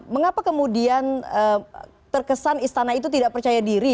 mengapa kemudian terkesan istana itu tidak percaya diri